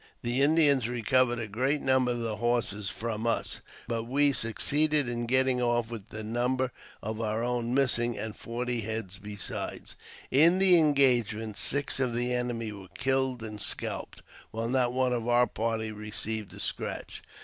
The Indians recovered a great number of the horses from us, but we succeeded in getting off with the number of our own missing, and forty head besides. In the engagement, six of the enemy were killed and scalped, while not one of our party received a scratch.